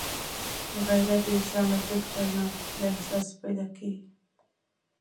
غیرت د انسان له فکره نه، له احساسه پیدا کېږي